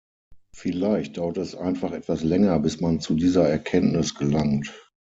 Vielleicht dauert es einfach etwas länger, bis man zu dieser Erkenntnis gelangt.